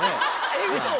えっウソ。